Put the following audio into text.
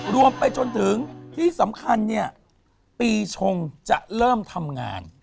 รวมไปจนถึงที่สำคัญเนี่ยปีชงจะเริ่มทำงาน